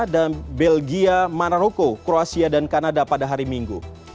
dan belgia marokko kroasia dan kanada pada hari minggu